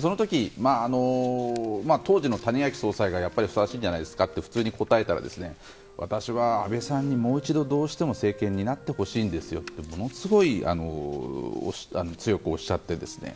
その時、当時の谷垣総裁がふさわしいんじゃないですかと普通に答えたら私は、安倍さんにどうしてももう一度政権を担ってほしいんですよとものすごく強くおっしゃってですね。